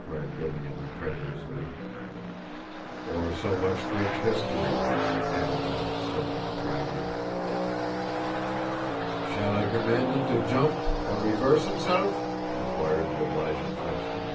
cried Lilian, incredulously. "Or so much French history?" added that serpent, Travers. "Shall I command 'im to jump, or reverse 'imself?" inquired the obliging Frenchman.